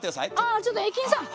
あちょっと駅員さん！